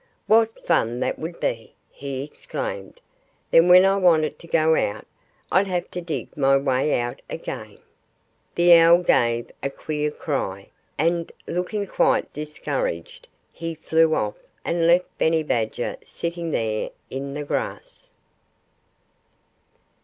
"What fun that would be!" he exclaimed. "Then when I wanted to go out I'd have to dig my way again!" The owl gave a queer cry. And looking quite discouraged, he flew off and left Benny Badger sitting there in the grass.